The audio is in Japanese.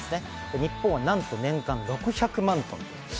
日本はなんと年間６００万トン。